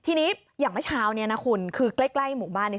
ทีนี้อย่างเมื่อเช้าคือใกล้หมู่บ้าน